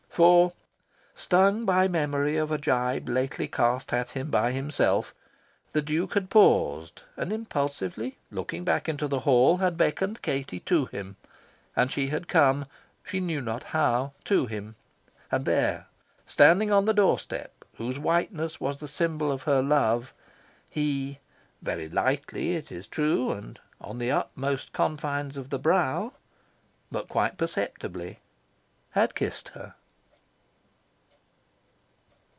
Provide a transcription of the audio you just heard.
For, stung by memory of a gibe lately cast at him by himself, the Duke had paused and, impulsively looking back into the hall, had beckoned Katie to him; and she had come (she knew not how) to him; and there, standing on the doorstep whose whiteness was the symbol of her love, he very lightly, it is true, and on the upmost confines of the brow, but quite perceptibly had kissed her.